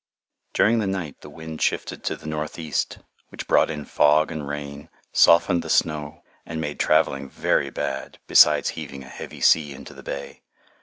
During the night the wind shifted to the northeast, which brought in fog and rain, softened the snow, and made travelling very bad, besides heaving a heavy sea into the bay.